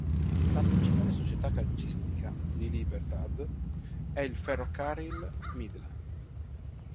La principale società calcistica di Libertad è il Ferrocarril Midland.